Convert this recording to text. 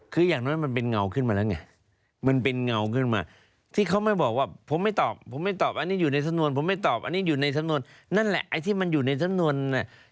คืออย่างน้อยมันเป็นเงาขึ้นมาแล้วไงมันเป็นเงาขึ้นมาที่เขาไม่บอกว่าผมไม่ตอบผมไม่ตอบอันนี้อยู่ในสำนวนผมไม่ตอบอันนี้อยู่ในสำนวนนั่นแหละไอ้ที่มันอยู่ในสำนวนน่ะ